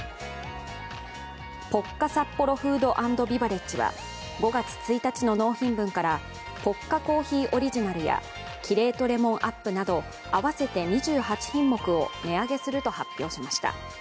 ポッカサッポロフード＆ビバレッジは５月１日の納品分からポッカコーヒーオリジナルやキレートレモンＵＰなど合わせて２８品目を値上げすると発表しました。